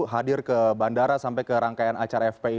hadir ke bandara sampai ke rangkaian acara fpi